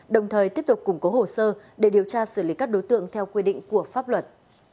đồng thời tiếp tục củng cố hồ sơ để điều tra xử lý các đối tượng theo quy định của pháp luật